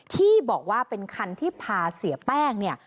ที่บอกว่าเป็นคันที่พาเสียแป้งเนี่ย